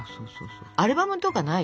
アルバムとかない？